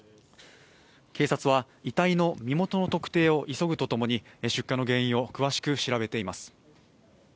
警察は遺体の身元の特定を急ぐとともに出火の原因を詳しく調べています。